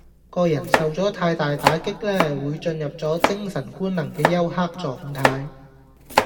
個人受咗太大打擊呢，會進入咗精神官能嘅休克狀態